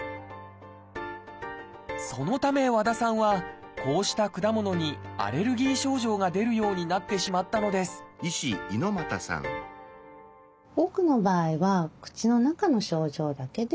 そのため和田さんはこうした果物にアレルギー症状が出るようになってしまったのですまれにはあります。